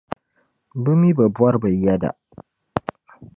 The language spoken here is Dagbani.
bɛ mi bɛ bɔri bɛ yεda.